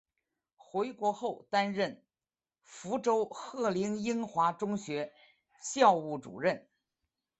回国后担任福州鹤龄英华中学校务主任。